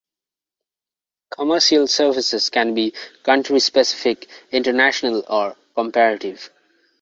Commercial services can be country-specific, international or comparative.